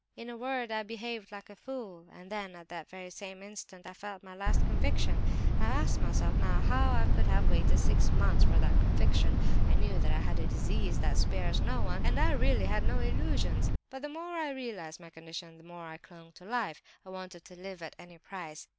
In a word, I behaved like a fool, and then, at that very same instant, I felt my 'last conviction.' I ask myself now how I could have waited six months for that conviction! I knew that I had a disease that spares no one, and I really had no illusions; but the more I realized my condition, the more I clung to life; I wanted to live at any price.